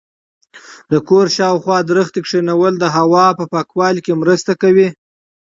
د کور شاوخوا ونې کښېنول د هوا په پاکوالي کې مرسته کوي.